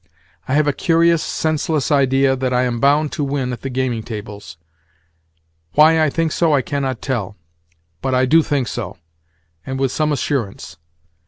I have a curious, senseless idea that I am bound to win at the gaming tables. Why I think so I cannot tell, but I do think so, and with some assurance.